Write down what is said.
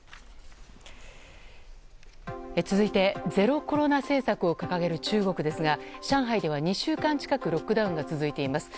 続いて、ゼロコロナ政策を掲げる中国ですが上海では２週間近くロックダウンが続いています。